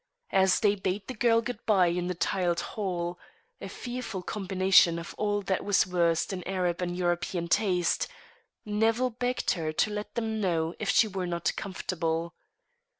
As they bade the girl good bye in the tiled hall (a fearful combination of all that was worst in Arab and European taste) Nevill begged her to let them know if she were not comfortable.